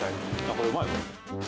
これ、うまいわ。